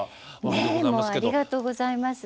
ねえもうありがとうございます。